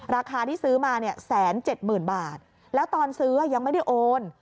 ราคาที่ซื้อมาเนี่ย๑๗๐๐๐บาทแล้วตอนซื้อยังไม่ได้โอน